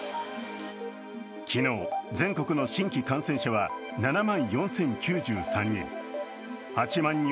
昨日、全国の新規感染者は７万４０９３人。